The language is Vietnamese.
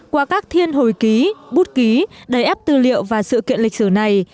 qua các thiên hồi ký bút ký đầy ép tư liệu và sự kiện lịch sử này